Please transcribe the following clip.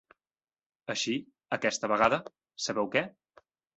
Així, aquesta vegada, sabeu què?